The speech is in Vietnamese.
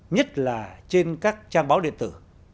nhất là trên các trang báo điện tử